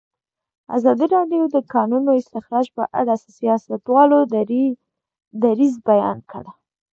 ازادي راډیو د د کانونو استخراج په اړه د سیاستوالو دریځ بیان کړی.